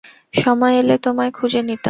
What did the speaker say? সময় এলে তোমায় খুঁজে নিতাম।